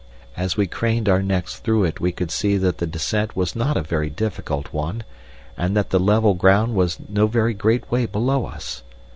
As we craned our necks through it we could see that the descent was not a very difficult one, and that the level ground was no very great way below us.